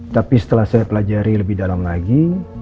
tapi setelah saya pelajari lebih dalam lagi